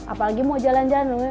apalagi mau jalan jalan